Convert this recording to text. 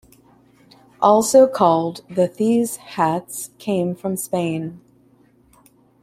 Also called the these hats came from Spain.